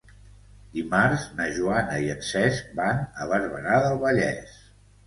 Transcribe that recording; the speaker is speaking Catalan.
Dimarts na Joana i en Cesc van a Barberà del Vallès.